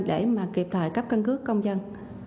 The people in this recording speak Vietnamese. để mà kịp thời cấp căn cứ công dân